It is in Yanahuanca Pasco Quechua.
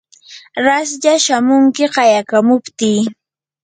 raslla shamunki qayakamuptii.